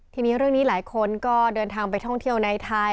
ทีนี้เรื่องนี้หลายคนก็เดินทางไปท่องเที่ยวในไทย